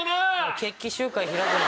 決起集会開くな！